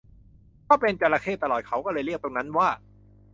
ก็เป็นจระเข้ตลอดเขาก็เลยเรียกตรงนั้นว่า